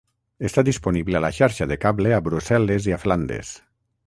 Està disponible a la xarxa de cable a Brussel·les i a Flandes.